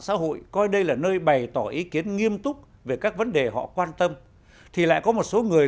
xã hội coi đây là nơi bày tỏ ý kiến nghiêm túc về các vấn đề họ quan tâm thì lại có một số người